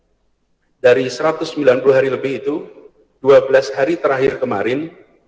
jadi dari satu ratus sembilan puluh hari lebih itu dua belas hari terakhir kemarin